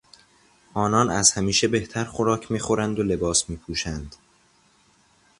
آنان از همیشه بهتر خوراک میخورند و لباس میپوشند.